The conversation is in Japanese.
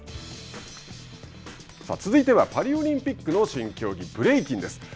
続いてはパリオリンピックの新競技ブレイキンです。